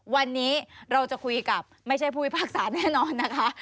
วันนี้เราจะคุยกับไม่ใช่ผู้พิพากษาแน่นอนนะคะ